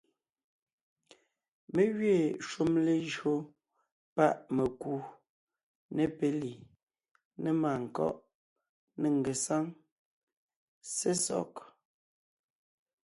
Mé gẅiin shúm lejÿo páʼ mekú , ne péli, ne màankɔ́ʼ, ne ngesáŋ, sesɔg;